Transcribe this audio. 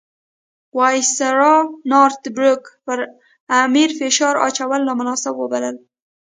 وایسرا نارت بروک پر امیر فشار اچول نامناسب وبلل.